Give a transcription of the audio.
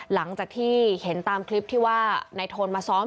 หลังจากที่เห็นตามคลิปที่ว่านายโทนมาซ้อม